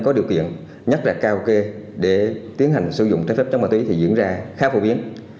có điều kiện nhất là kao kê để tiến hành sử dụng trái phép chất ma túy thì diễn ra khá phổ biến